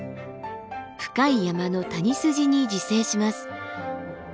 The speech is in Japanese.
深い山の谷筋に自生します。